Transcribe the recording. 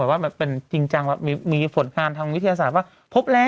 แบบว่ามีผลการทำวิทยาศาสตร์ว่าพบแล้ว